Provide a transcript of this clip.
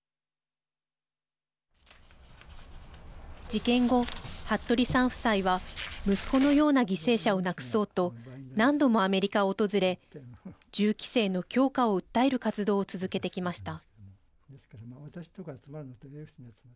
事件後、服部さん夫妻は息子のような犠牲者をなくそうと何度もアメリカを訪れ銃規制の強化を訴える活動を続けてきました。